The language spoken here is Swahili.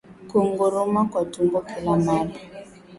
Kunguruma kwa tumbo kila mara